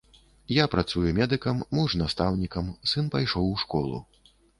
Я працую медыкам, муж настаўнікам, сын пайшоў у школу.